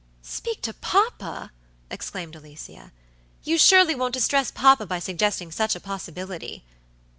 "Speak to papa," exclaimed Alicia; "you surely won't distress papa by suggesting such a possibility!"